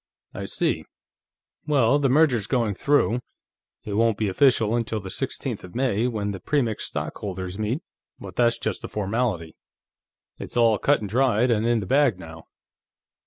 "I see. Well, the merger's going through. It won't be official until the sixteenth of May, when the Premix stockholders meet, but that's just a formality. It's all cut and dried and in the bag now.